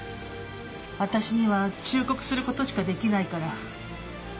私には忠告することしかできないから。